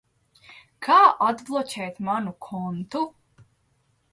Kā atbloķēt manu kontu?